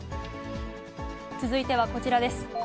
続いてはこちらです。